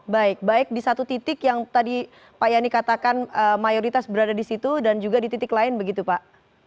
baik baik di satu titik yang tadi pak yani katakan mayoritas berada di situ dan juga di titik lain begitu pak